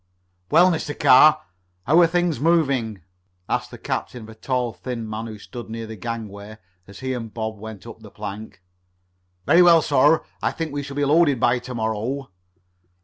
"Well, Mr. Carr, how are things moving?" asked the captain of a tall, thin man who stood near the gangway as he and Bob went up the plank. "Very well, sir. I think we shall be loaded by to morrow."